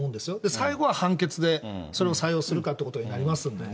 最後は判決でそれを採用するかということになりますんでね。